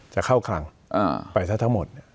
จะเข้าคลังไปซะทั้งหมด